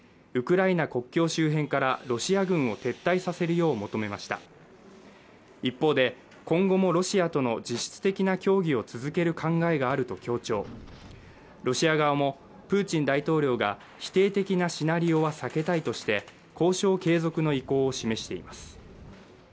ウクライナ国境周辺からロシア軍を撤退させるよう求めました一方で今後もロシアとの実質的な協議を続ける考えがあると強調ロシア側もプーチン大統領が否定的なシナリオは避けたいとして交渉継続の意向を示しています